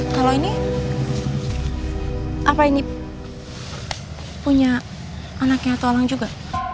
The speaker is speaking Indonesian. kalau ini apa ini punya anaknya atau alang juga